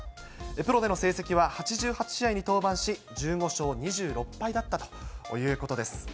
プロでの成績は、８８試合に登板し、１５勝２６敗だったということです。